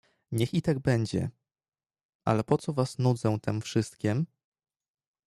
"Niech i tak będzie, ale po co was nudzę tem wszystkiem?"